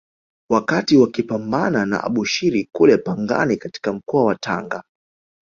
Wakati wakipambana na Abushiri kule Pangani katika mkoa wa Tanga